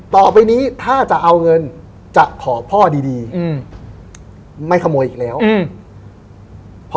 ต่อไปนี้ถ้าจะเอาเงินจะขอพ่อดีดีอืมไม่ขโมยอีกแล้วอืม